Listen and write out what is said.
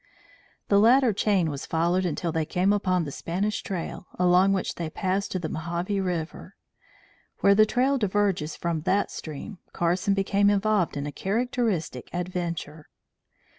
The latter chain was followed until they came upon the Spanish trail, along which they passed to the Mohave River. Where the Trail diverges from that stream, Carson became involved in a characteristic adventure.